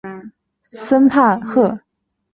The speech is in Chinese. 森帕赫战役后霍赫多夫由卢塞恩管辖。